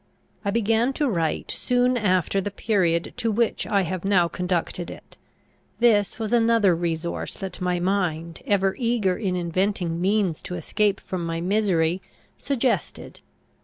I began to write soon after the period to which I have now conducted it. This was another resource that my mind, ever eager in inventing means to escape from my misery, suggested.